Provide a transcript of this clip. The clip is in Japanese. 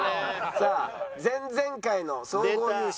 さあ前々回の総合優勝